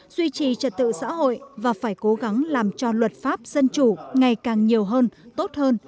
duy trì trật tự xã hội và phải cố gắng làm cho luật pháp dân chủ ngày càng nhiều hơn tốt hơn